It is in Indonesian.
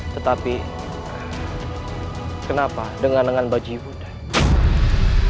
tetapi kenapa dengan lengan baju ibu dan